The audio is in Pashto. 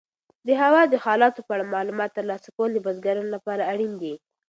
د هوا د حالاتو په اړه معلومات ترلاسه کول د بزګرانو لپاره اړین دي.